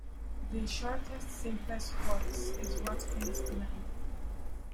The shortest, simplest course is Watkins Glen.